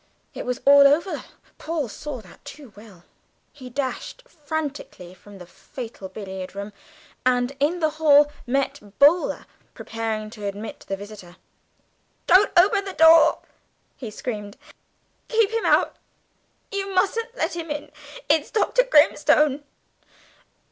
It was all over; Paul saw that too well, he dashed frantically from the fatal billiard room, and in the hall met Boaler preparing to admit the visitor. "Don't open the door!" he screamed. "Keep him out, you mustn't let him in. It's Dr. Grimstone."